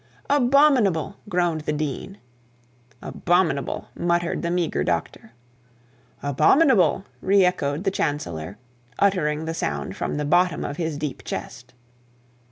'Abominable,' groaned the dean. 'Abominable,' muttered the meagre doctor. 'Abominable,' re echoed the chancellor, uttering a sound from the bottom of his deep chest.